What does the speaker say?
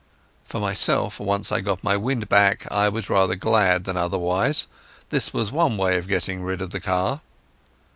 For myself, once I got my wind back, I was rather glad than otherwise. This was one way of getting rid of the car.